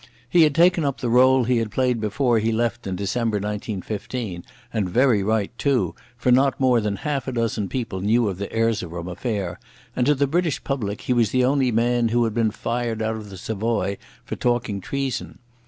He had taken up the rôle he had played before he left in December 1915, and very right too, for not more than half a dozen people knew of the Erzerum affair, and to the British public he was only the man who had been fired out of the Savoy for talking treason.